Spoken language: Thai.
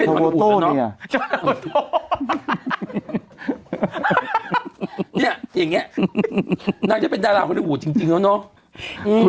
เนี่ยอย่างเงี้ยน่าจะเป็นดาราฮอลลิวูดจริงจริงแล้วเนาะ